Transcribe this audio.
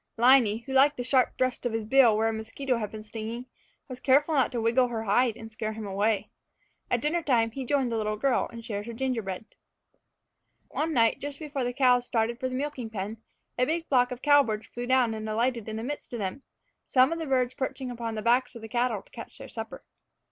Liney, who liked the sharp thrust of his bill where a mosquito had been stinging, was careful not to wiggle her hide and scare him away. At dinner time he joined the little girl and shared her gingerbread. One night, just before the cows started for the milking pen, a big flock of cowbirds flew down and alighted in the midst of them, some of the birds perching upon the backs of the cattle to catch their supper.